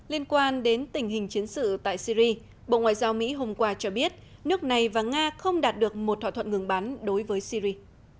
liên quan đến tình hình chiến sự tại syri bộ ngoại giao mỹ hôm qua cho biết nước này và nga không đạt được một thỏa thuận ngừng bắn đối với syri